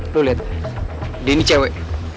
tuh lihat dia ini cewek